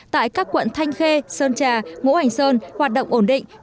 tại các quận thanh khê sơn trà ngũ hành sơn hoạt động ổn định